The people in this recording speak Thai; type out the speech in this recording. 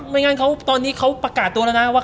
ไม่งั้นเขาตอนนี้เขาประกาศตัวแล้วนะว่า